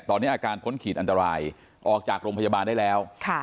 ตอนนี้อาการพ้นขีดอันตรายออกจากโรงพยาบาลได้แล้ว